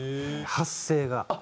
発声が。